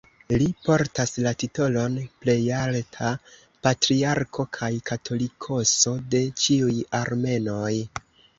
Li portas la titolon "Plejalta Patriarko kaj Katolikoso de ĉiuj Armenoj".